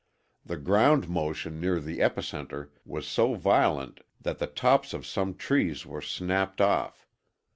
The ground motion near the epicenter was so violent that the tops of some trees were snapped off.